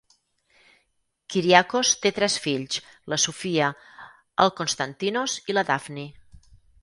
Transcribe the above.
Kyriakos té tres fills, la Sofia, el Konstantinos i la Dafni.